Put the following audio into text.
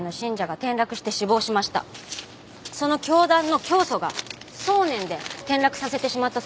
その教団の教祖が送念で転落させてしまったそうです。